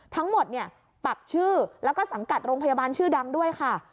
ทั้งหมดเนี่ยปักชื่อแล้วก็สังกัดโรงพยาบาลชื่อดังด้วยค่ะ